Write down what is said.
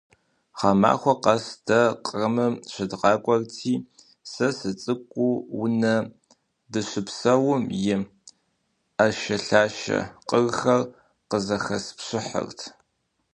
Гъэмахуэ къэс дэ Кърымым щыдгъакӏуэрти, сэ сыцӏыкӏуу, унэ дыщыпсэум и ӏэшэлъашэ къырхэр къызэхэспщыхьырт.